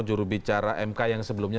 jurubicara mk yang sebelumnya